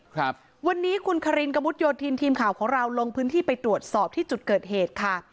ครับวันนี้คุณคารินกระมุดโยธินทีมข่าวของเราลงพื้นที่ไปตรวจสอบที่จุดเกิดเหตุค่ะ